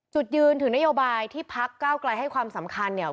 จุดยืนถึงนโยบายที่พักเก้าไกลให้ความสำคัญเนี่ย